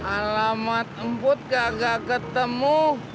alamat emput kagak ketemu